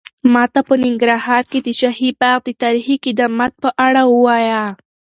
ماته په ننګرهار کې د شاهي باغ د تاریخي قدامت په اړه ووایه.